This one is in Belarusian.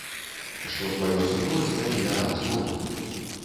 Што тваё супроць, калі я дам згоду.